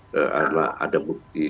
saya kira tidak ada bukti